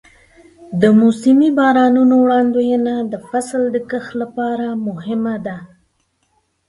د موسمي بارانونو وړاندوینه د فصل د کښت لپاره مهمه ده.